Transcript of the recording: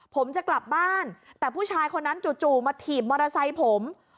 ผมจะกลับบ้านแต่ผู้ชายคนนั้นจู่มาถีบมอเตอร์ไซค์ผม